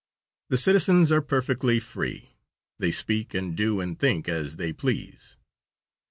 The citizens are perfectly free. They speak and do and think as they please.